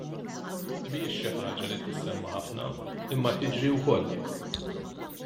Mhijiex xi ħaġa li tissemma ħafna imma tiġri wkoll.